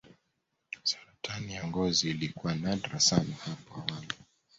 saratani ya ngozi ilikuwa nadra sana hapo awali